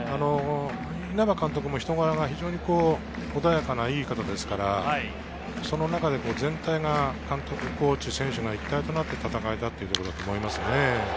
稲葉監督の人柄が穏やかで良い方ですから、その中で、全体が監督、選手、コーチが一体となって戦えたということだと思いますね。